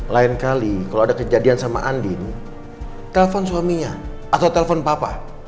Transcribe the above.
lain kali kalau ada kejadian sama andin telpon suaminya atau telpon papa